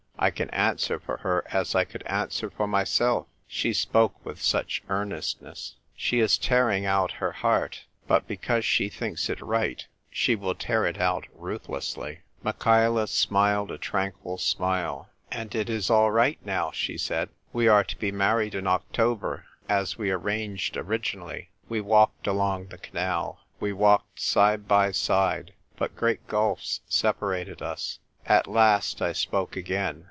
I can answer for her as I could answer for myself; she spoke with such earnestness. She is tearing out her heart; but because she thinks it right she will tear it out ruthlessly." Michaela smiled a tranquil smile. " And it is all right now," she said. "We are to be married in October, as we arranged origin ally." We walked along the canal. We walked side by side, but great gulfs separated us. At last I spoke again.